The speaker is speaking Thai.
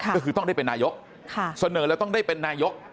ก็คือต้องได้เป็นนายกเสนอแล้วต้องได้เป็นนายก